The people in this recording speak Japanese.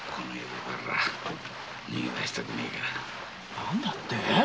何だって？